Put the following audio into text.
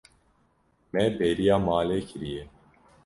Me bêriya malê nekiriye.